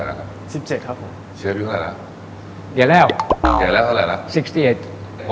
ลูกชายอยู่เท่าไหร่ครับ